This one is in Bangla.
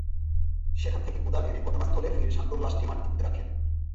সেখান থেকে কোদাল এনে ঘটনাস্থলে ফিরে শান্তর লাশটি মাটিতে পুঁতে রাখেন।